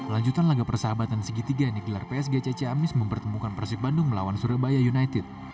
lanjutan laga persahabatan segitiga yang digelar psgc ciamis mempertemukan persib bandung melawan surabaya united